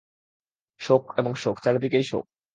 শোক এবং শোক, চারদিকেই শোক।